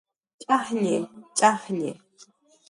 Ch'ajlli, Ch'alli